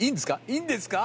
いいんですか？